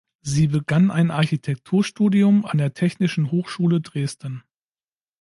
Sie begann ein Architekturstudium an der Technischen Hochschule Dresden.